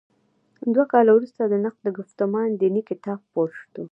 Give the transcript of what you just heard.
دوه کاله وروسته د نقد ګفتمان دیني کتاب خپور شو.